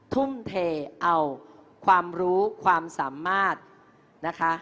ทุ่มเทเอาความรู้ความสามารถนะคะ